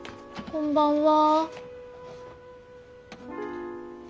こんばんは。